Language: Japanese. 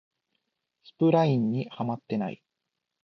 スプラインにハマってない